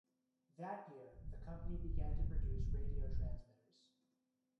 That year, the company began to produce radio transmitters.